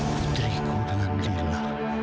putriku dengan lila